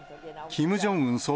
キム・ジョンウン